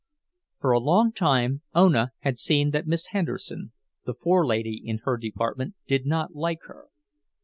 For a long time Ona had seen that Miss Henderson, the forelady in her department, did not like her.